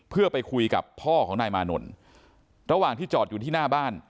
เพื่อไปคุยกับพ่อของนายมานนท์ระหว่างที่จอดอยู่ที่หน้าบ้าน